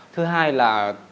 thứ hai là